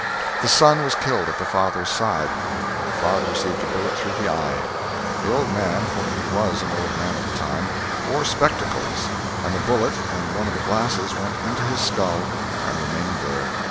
The son was killed at the father's side. The father received a bullet through the eye. The old man for he was an old man at the time wore spectacles, and the bullet and one of the glasses went into his skull and remained there.